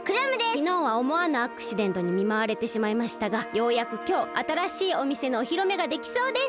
きのうはおもわぬアクシデントにみまわれてしまいましたがようやくきょうあたらしいおみせのおひろめができそうです。